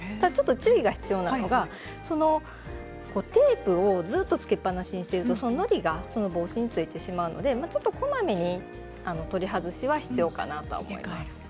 注意が必要なのはテープをずっと付けっぱなしにしておくとのりが帽子についてしまうのでこまめに取り外しが必要かなと思います。